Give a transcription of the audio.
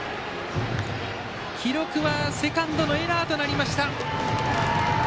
記録はセカンドのエラーとなりました。